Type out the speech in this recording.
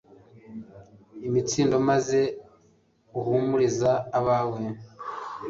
imitsindo, maze uhumuriza abawe